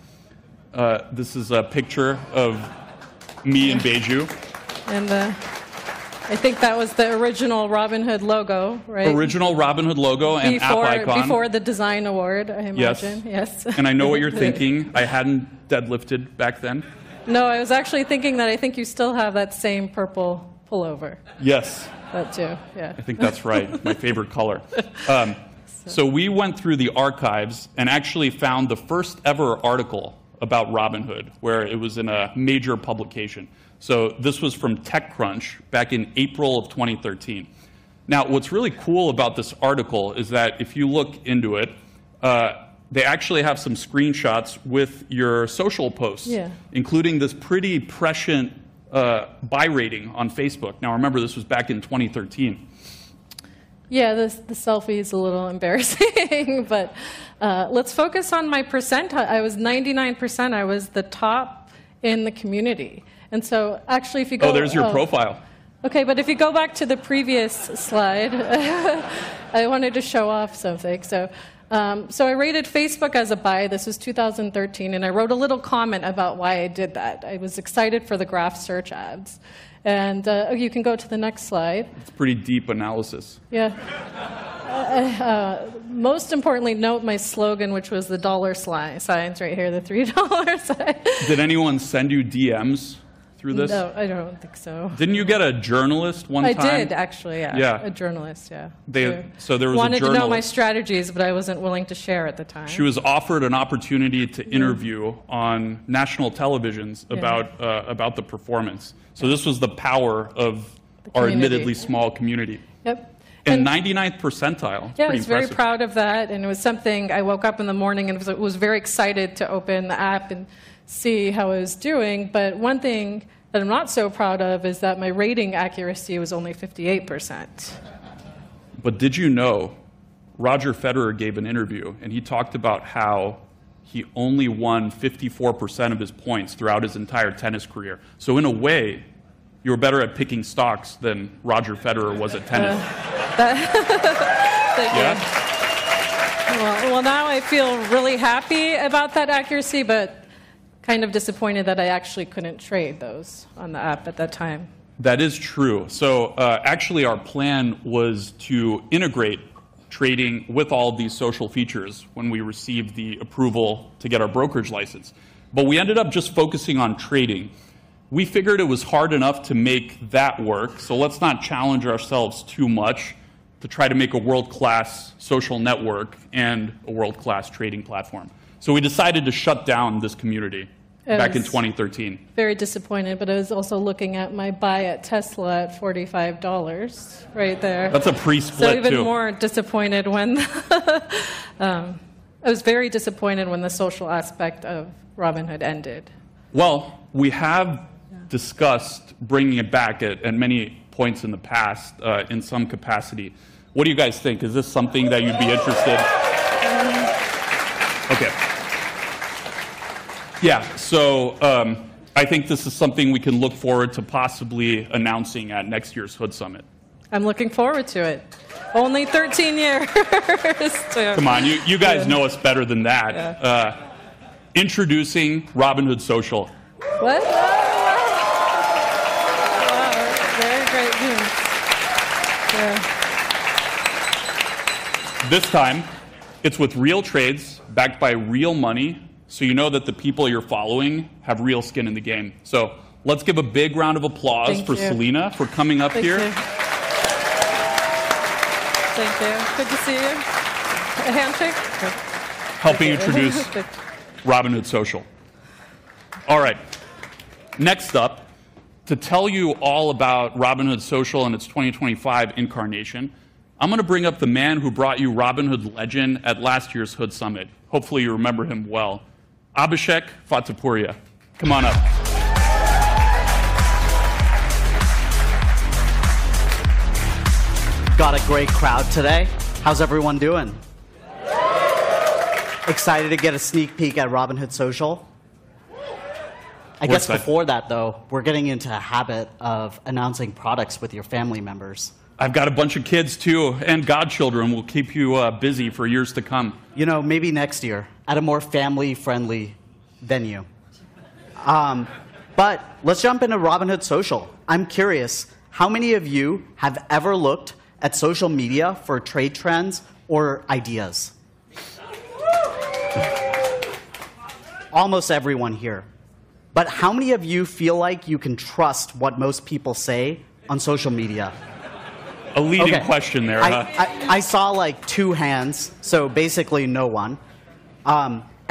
This is a picture of me in Beijing. I think that was the original Robinhood logo, right? Original Robinhood logo and the icon. Before the design award, I imagine. Yes. I know what you're thinking. I hadn't deadlifted back then. No, I was actually thinking that I think you still have that same purple pullover. Yes. That's you, yeah. I think that's right. My favorite color. We went through the archives and actually found the first ever article about Robinhood where it was in a major publication. This was from TechCrunch back in April of 2013. What's really cool about this article is that if you look into it, they actually have some screenshots with your social posts, including this pretty prescient buy rating on Facebook. Remember, this was back in 2013. Yeah, the selfie is a little embarrassing, but let's focus on my percentage. I was 99%. I was the top in the community. If you go back. Oh, there's your profile. Okay, if you go back to the previous slide, I wanted to show off something. I rated Facebook as a buy. This was 2013, and I wrote a little comment about why I did that. I was excited for the graph search ads. You can go to the next slide. It's pretty deep analysis. Most importantly, note my slogan, which was the dollar signs right here, the $3. Did anyone send you DMs through this? No, I don't think so. Didn't you get a journalist one time? I did, actually, yeah. Yeah. A journalist, yeah. There was a journalist. Wanted to know my strategies, but I wasn't willing to share at the time. She was offered an opportunity to interview on national television about the performance. This was the power of our admittedly small community. Yep. 99th percentile. Yeah, I was very proud of that. It was something I woke up in the morning and was very excited to open the app and see how it was doing. One thing that I'm not so proud of is that my rating accuracy was only 58%. Did you know Roger Federer gave an interview, and he talked about how he only won 54% of his points throughout his entire tennis career? In a way, you're better at picking stocks than Roger Federer was at tennis. Yeah, I feel really happy about that accuracy, but kind of disappointed that I actually couldn't trade those on the app at that time. That is true. Actually, our plan was to integrate trading with all of these social features when we received the approval to get our brokerage license. We ended up just focusing on trading. We figured it was hard enough to make that work. Let's not challenge ourselves too much to try to make a world-class social network and a world-class trading platform. We decided to shut down this community back in 2013. very disappointed, but I was also looking at my buy at Tesla at $45 right there. That's a priest's wedding. I was very disappointed when the social aspect of Robinhood ended. Even more disappointed. We have discussed bringing it back at many points in the past in some capacity. What do you guys think? Is this something that you'd be interested? Okay. I think this is something we can look forward to possibly announcing at next year's Hood Summit. I'm looking forward to it. Only 13 years. Come on. You guys know us better than that. Introducing Robinhood Social. Very, very. This time, it's with real trades backed by real money. You know that the people you're following have real skin in the game. Let's give a big round of applause for Selena for coming up here. Thank you. Thank you. Good to see you. A handshake. Helping introduce Robinhood Social. All right. Next up, to tell you all about Robinhood Social and its 2025 incarnation, I'm going to bring up the man who brought you Robinhood Legend at last year's Hood Summit. Hopefully, you remember him well. Abhishek Fatehpuria. Come on up. Got a great crowd today. How's everyone doing? Excited to get a sneak peek at Robinhood Social. I guess before that, though, we're getting into the habit of announcing products with your family members. I've got a bunch of kids too, and godchildren will keep you busy for years to come. You know, maybe next year at a more family-friendly venue. Let's jump into Robinhood Social. I'm curious, how many of you have ever looked at social media for trade trends or ideas? Almost everyone here. How many of you feel like you can trust what most people say on social media? A leading question there. I saw like two hands, so basically no one.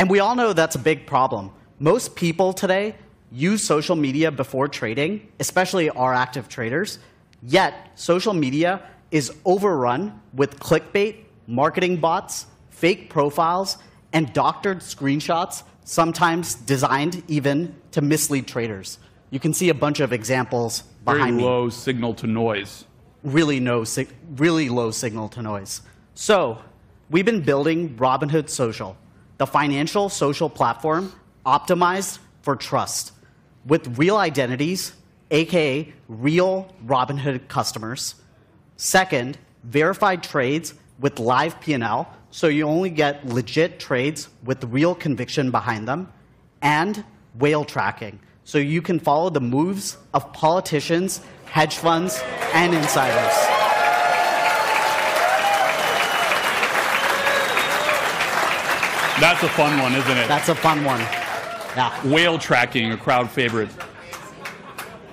We all know that's a big problem. Most people today use social media before trading, especially our active traders. Yet social media is overrun with clickbait, marketing bots, fake profiles, and doctored screenshots, sometimes designed even to mislead traders. You can see a bunch of examples behind me. Really low signal-to-noise. Really low signal to noise. We have been building Robinhood Social, the financial social platform optimized for trust with real identities, also known as real Robinhood customers. Second, verified trades with live P&L, so you only get legit trades with real conviction behind them. Whale tracking lets you follow the moves of politicians, hedge funds, and insiders. That's a fun one, isn't it? That's a fun one. Whale tracking, a crowd favorite.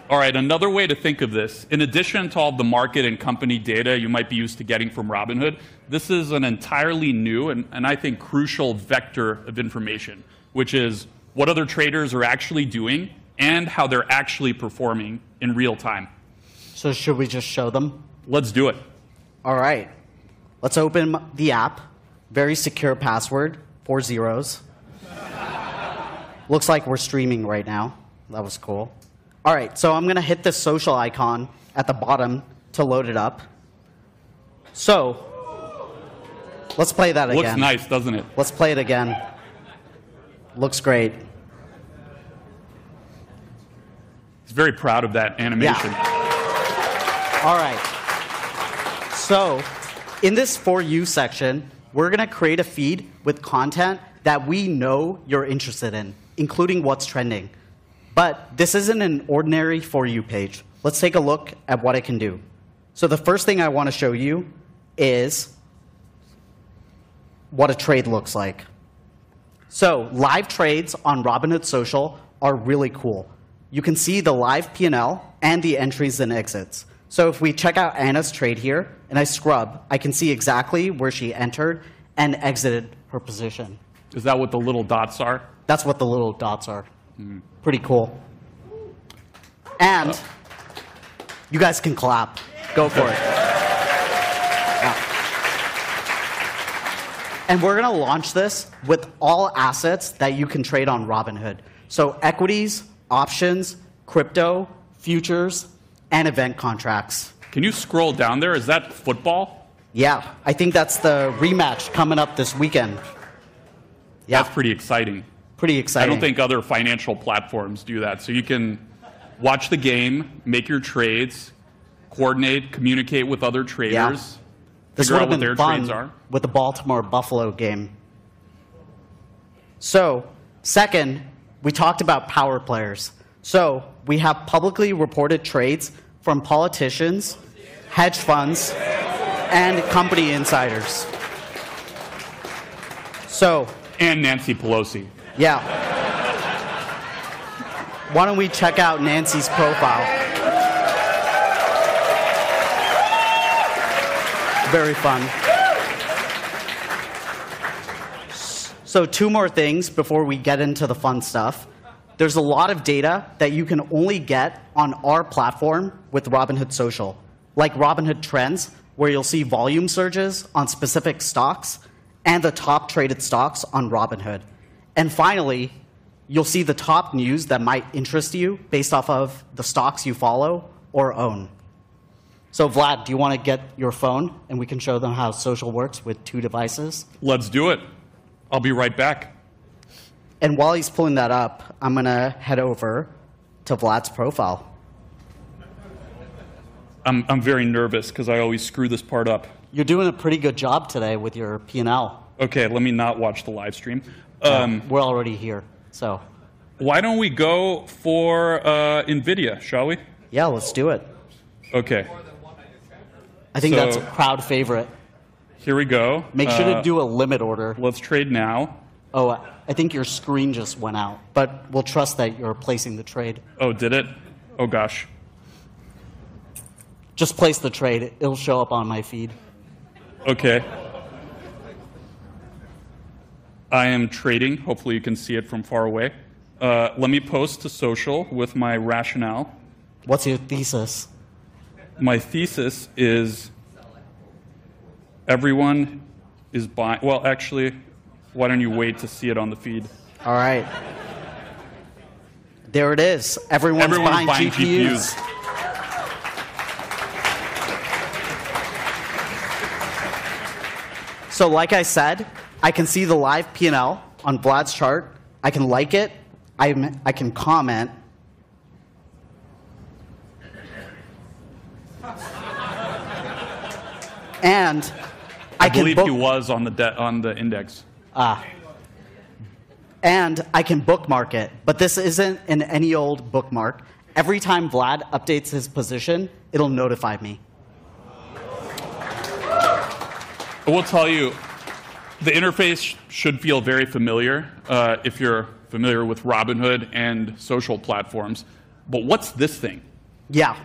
All right, another way to think of this, in addition to all the market and company data you might be used to getting from Robinhood, this is an entirely new and I think crucial vector of information, which is what other traders are actually doing and how they're actually performing in real time. Should we just show them? Let's do it. All right. Let's open the app. Very secure password, four zeros. Looks like we're streaming right now. That was cool. All right, I'm going to hit the social icon at the bottom to load it up. Let's play that again. Looks nice, doesn't it? Let's play it again. Looks great. He's very proud of that animation. All right. In this For You section, we're going to create a feed with content that we know you're interested in, including what's trending. This isn't an ordinary For You page. Let's take a look at what it can do. The first thing I want to show you is what a trade looks like. Live trades on Robinhood Social are really cool. You can see the live P&L and the entries and exits. If we check out Anna's trade here and I scrub, I can see exactly where she entered and exited her position. Is that what the little dots are? That's what the little dots are. Pretty cool. You guys can clap. Go for it. We're going to launch this with all assets that you can trade on Robinhood. Equities, options, crypto, futures, and event contracts. Can you scroll down there? Is that football? Yeah, I think that's the rematch coming up this weekend. That's pretty exciting. Pretty exciting. I don't think other financial platforms do that. You can watch the game, make your trades, coordinate, communicate with other traders. Yeah, because Robinhood funds are with the Baltimore Buffalo game. Second, we talked about power players. We have publicly reported trades from politicians, hedge funds, and company insiders. Nancy Pelosi. Yeah. Why don't we check out Nancy's profile? Very fun. Two more things before we get into the fun stuff. There's a lot of data that you can only get on our platform with Robinhood Social, like Robinhood Trends, where you'll see volume surges on specific stocks and the top traded stocks on Robinhood. Finally, you'll see the top news that might interest you based off of the stocks you follow or own. Vlad, do you want to get your phone and we can show them how Social works with two devices? Let's do it. I'll be right back. While he's pulling that up, I'm going to head over to Vlad's profile. I'm very nervous because I always screw this part up. You're doing a pretty good job today with your P&L. Okay, let me not watch the live stream. We're already here. Why don't we go for NVIDIA, shall we? Yeah, let's do it. Okay. I think that's a crowd favorite. Here we go. Make sure to do a limit order. Let's trade now. Oh, I think your screen just went out, but we'll trust that you're placing the trade. Oh, did it? Gosh. Just place the trade. It'll show up on my feed. Okay, I am trading. Hopefully, you can see it from far away. Let me post to Robinhood Social with my rationale. What's your thesis? My thesis is everyone is buying. Actually, why don't you wait to see it on the feed? All right. There it is. Everyone is buying P&L. Like I said, I can see the live P&L on Vlad's chart. I can like it. I can comment. Only if he was on the index. I can bookmark it, but this isn't any old bookmark. Every time Vlad updates his position, it'll notify me. I will tell you, the interface should feel very familiar if you're familiar with Robinhood and social platforms. What's this thing? Yeah,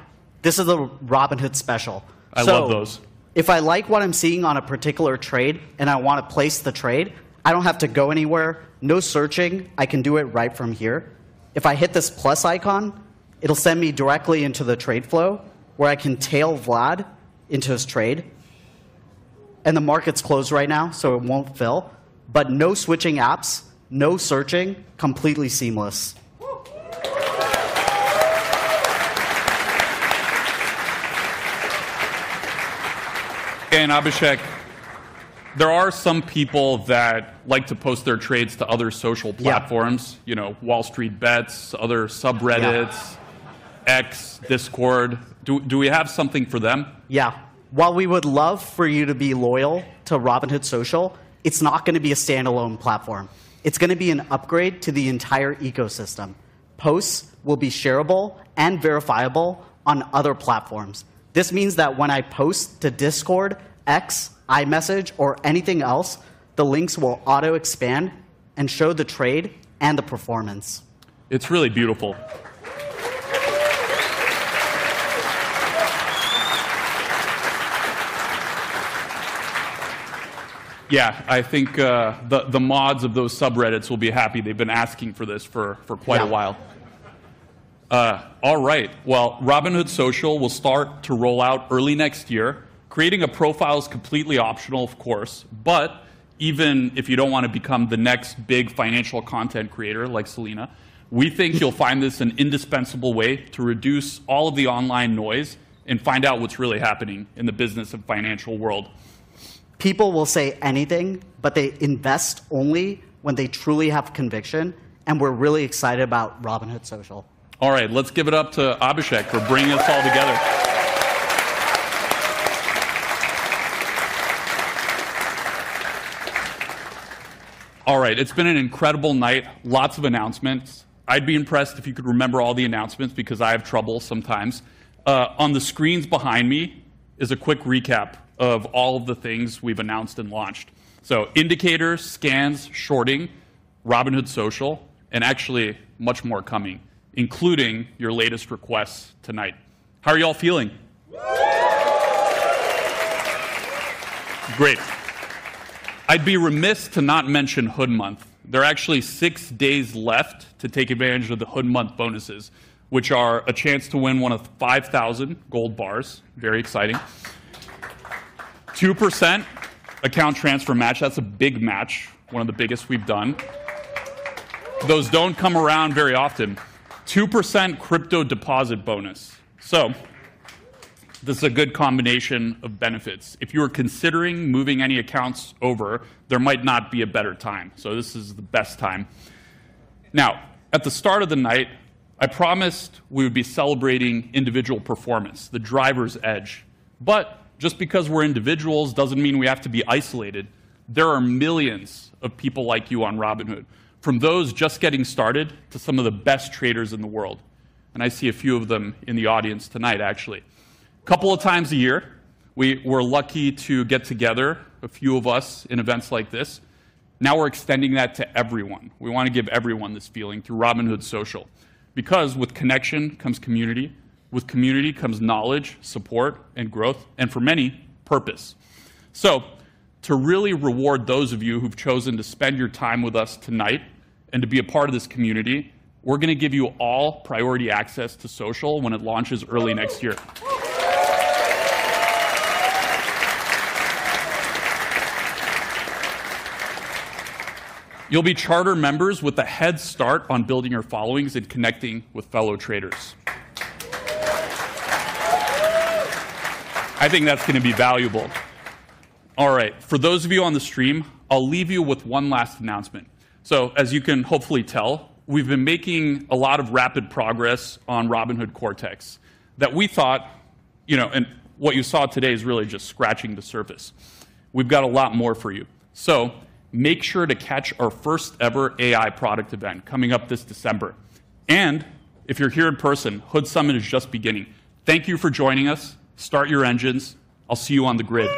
this is the Robinhood special. I love those. If I like what I'm seeing on a particular trade and I want to place the trade, I don't have to go anywhere. No searching. I can do it right from here. If I hit this plus icon, it'll send me directly into the trade flow where I can tail Vlad Tenev into his trade. The market's closed right now, so it won't fill. No switching apps, no searching, completely seamless. Abhishek, there are some people that like to post their trades to other social platforms, you know, Wall Street Bets, other subreddits, X, Discord. Do we have something for them? Yeah. While we would love for you to be loyal to Robinhood Social, it's not going to be a standalone platform. It's going to be an upgrade to the entire ecosystem. Posts will be shareable and verifiable on other platforms. This means that when I post to Discord, X, iMessage, or anything else, the links will auto-expand and show the trade and the performance. It's really beautiful. I think the mods of those subreddits will be happy. They've been asking for this for quite a while. Robinhood Social will start to roll out early next year. Creating a profile is completely optional, of course, but even if you don't want to become the next big financial content creator like Selena, we think you'll find this an indispensable way to reduce all of the online noise and find out what's really happening in the business and financial world. People will say anything, but they invest only when they truly have conviction, and we're really excited about Robinhood Social. All right, let's give it up to Abhishek for bringing us all together. All right, it's been an incredible night. Lots of announcements. I'd be impressed if you could remember all the announcements because I have trouble sometimes. On the screens behind me is a quick recap of all of the things we've announced and launched. Indicators, scans, shorting, Robinhood Social, and actually much more coming, including your latest requests tonight. How are y'all feeling? Great. I'd be remiss to not mention HOOD Month. There are actually six days left to take advantage of the HOOD Month bonuses, which are a chance to win one of 5,000 gold bars. Very exciting. 2% account transfer match. That's a big match. One of the biggest we've done. Those don't come around very often. 2% crypto deposit bonus. This is a good combination of benefits. If you are considering moving any accounts over, there might not be a better time. This is the best time. At the start of the night, I promised we would be celebrating individual performance, the driver's edge. Just because we're individuals doesn't mean we have to be isolated. There are millions of people like you on Robinhood, from those just getting started to some of the best traders in the world. I see a few of them in the audience tonight, actually. A couple of times a year, we were lucky to get together, a few of us, in events like this. Now we're extending that to everyone. We want to give everyone this feeling through Robinhood Social. With connection comes community, with community comes knowledge, support, and growth, and for many, purpose. To really reward those of you who've chosen to spend your time with us tonight and to be a part of this community, we're going to give you all priority access to Social when it launches early next year. You'll be charter members with a head start on building your followings and connecting with fellow traders. I think that's going to be valuable. For those of you on the stream, I'll leave you with one last announcement. As you can hopefully tell, we've been making a lot of rapid progress on Robinhood Cortex that we thought, you know, and what you saw today is really just scratching the surface. We've got a lot more for you. Make sure to catch our first ever AI product event coming up this December. If you're here in person, Hood Summit is just beginning. Thank you for joining us. Start your engines. I'll see you on the grid.